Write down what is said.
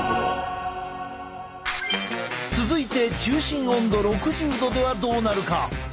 続いて中心温度６０℃ではどうなるか？